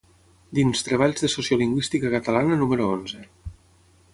Dins Treballs de Sociolingüística Catalana número onze.